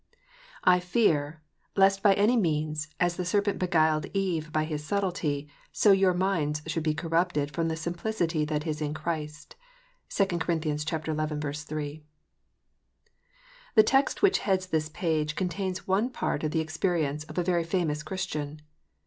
" I fear, lest, by any means, as the serpent beguiled Eve by his subtilty, so your minds should be corrupted from the simplicity that is in Christ." 2 COR. xi. 3. THE text which heads this page, contains one part of the ex perience of a very famous Christian.